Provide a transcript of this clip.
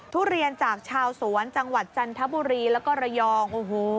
ทุเรียนจากชาวสวนจังหวัดจันทบุรีแล้วก็ระยองโอ้โห